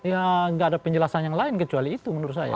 ya nggak ada penjelasan yang lain kecuali itu menurut saya